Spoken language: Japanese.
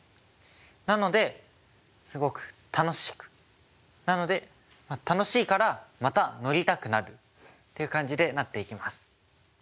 なのですごく楽しくなので楽しいからまた乗りたくなるっていう感じでなっていきます。